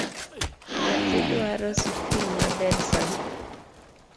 Nyathi dwaro sikul maber sani